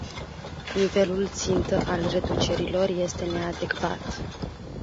Nivelul țintă al reducerilor este neadecvat.